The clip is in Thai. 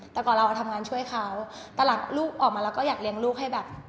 แต่ก่อนเราทำงานช่วยเขาตอนหลังลูกออกมาเราก็อยากเลี้ยงลูกให้แบบ